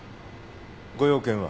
ご用件は？